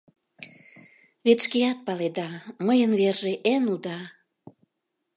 — Вет шкеат паледа, мыйын верже эн уда.